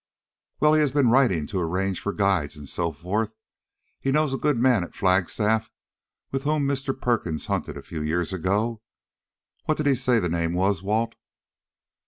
"Well, he has been writing to arrange for guides and so forth. He knows a good man at Flagstaff with whom Mr. Perkins hunted a few years ago. What did he say the name was, Walt?"